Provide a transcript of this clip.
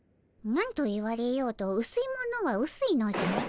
何と言われようとうすいものはうすいのじゃ。